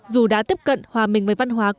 dù đã tiếp cận hòa mình với văn hóa